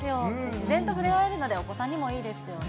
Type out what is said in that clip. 自然と触れ合えるのでお子さんにもいいですよね。